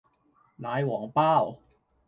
奶皇包